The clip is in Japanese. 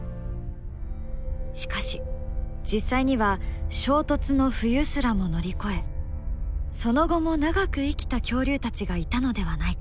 しかし実際には衝突の冬すらも乗り越えその後も長く生きた恐竜たちがいたのではないか。